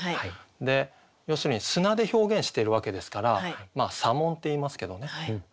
で要するに砂で表現してるわけですから砂紋っていいますけどね。